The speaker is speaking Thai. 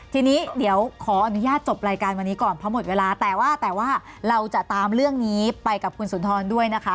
ทีนี้เดี๋ยวขออนุญาตจบรายการวันนี้ก่อนเพราะหมดเวลาแต่ว่าแต่ว่าเราจะตามเรื่องนี้ไปกับคุณสุนทรด้วยนะคะ